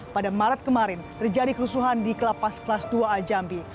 pada maret kemarin terjadi kerusuhan di kelapas kelas dua a jambi